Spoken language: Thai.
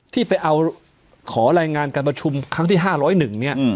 ที่ไปเอาขอรายงานการประชุมครั้งที่๕๐๑เนี่ย